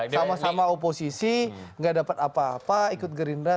sama sama oposisi gak dapat apa apa ikut gerindra